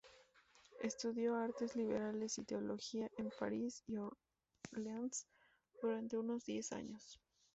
Estudió artes liberales y teología en París y Orleans durante unos diez años.